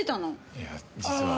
いや実は。